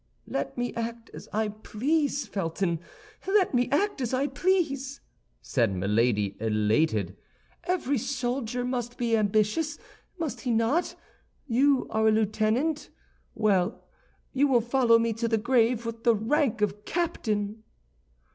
"Let me act as I please, Felton, let me act as I please," said Milady, elated. "Every soldier must be ambitious, must he not? You are a lieutenant? Well, you will follow me to the grave with the rank of captain."